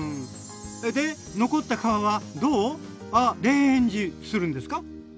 で残った皮はどうアレーンジするんですか？